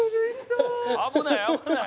「危ない危ない」